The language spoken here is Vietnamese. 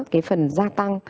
cái phần gia tăng